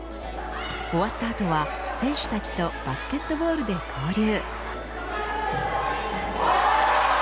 終わった後は選手たちとバスケットボールで交流。